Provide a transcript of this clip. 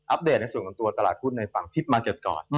อัปเดตในส่วนกันตัวตลาดขุนในฟังทิศมาร์เกรพ์ก่อน